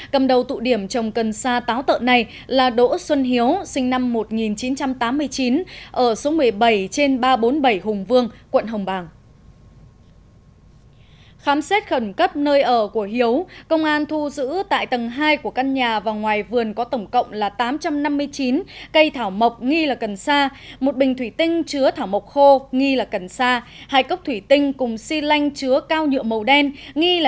cầm đầu tụ điểm trồng cần sa táo tợ này là đỗ xuân hiếu sinh năm một nghìn chín trăm tám mươi chín ở số một mươi bảy trên ba trăm bốn mươi bảy hùng vương quận hồng bàng